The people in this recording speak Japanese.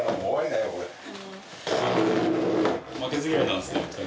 負けず嫌いなんですね。